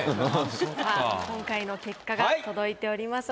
今回の結果が届いております